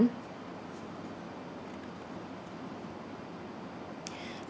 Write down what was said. hội đồng xét xử